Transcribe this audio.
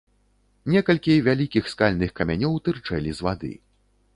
Некалькі вялікіх скальных камянёў тырчэлі з вады.